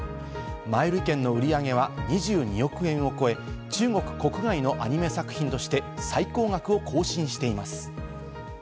前売り券の売り上げは２２億円を超え、中国国外のアニメ作品として最高額を更新しています。